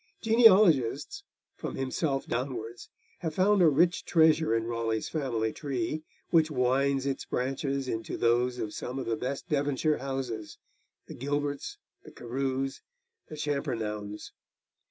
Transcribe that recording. Genealogists, from himself downwards, have found a rich treasure in Raleigh's family tree, which winds its branches into those of some of the best Devonshire houses, the Gilberts, the Carews, the Champernownes.